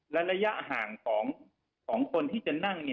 และระยะห่างของคนที่จะนั่ง